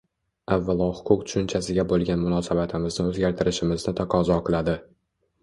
avvalo huquq tushunchasiga bo‘lgan munosabatimizni o‘zgartirishimizni taqozo qiladi.